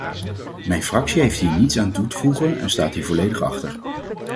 Mijn fractie heeft hier niets aan toe te voegen en staat hier volledig achter.